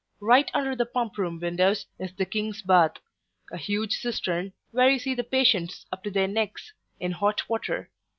Right under the Pump room windows is the King's Bath; a huge cistern, where you see the patients up to their necks in hot water.